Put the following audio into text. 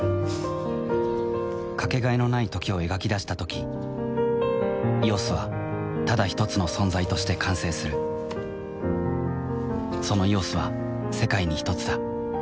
かけがえのない「時」を描き出したとき「ＥＯＳ」はただひとつの存在として完成するその「ＥＯＳ」は世界にひとつだ